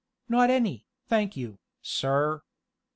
"Not any, thank you, sir.